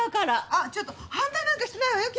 あっちょっと反対なんかしてないわよ